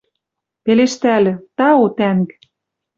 Пелештӓльӹ: «Тау, тӓнг».